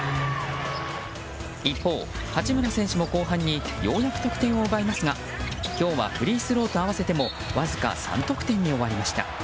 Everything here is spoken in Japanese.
一方、八村選手も後半にようやく得点を奪いますが今日はフリースローと合わせてもわずか３得点に終わりました。